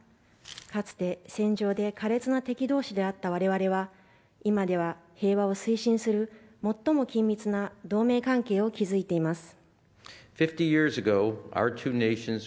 かつて、戦場で苛烈な敵同士であった我々は今では平和を推進する最も緊密な同盟関係を築いています。